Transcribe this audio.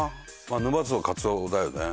沼津はカツオだよね。